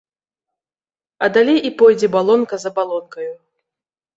А далей і пойдзе балонка за балонкаю.